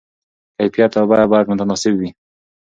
کیفیت او بیه باید متناسب وي.